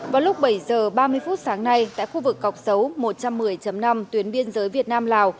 vào lúc bảy giờ ba mươi phút sáng nay tại khu vực cọc xấu một trăm một mươi năm tuyến biên giới việt nam lào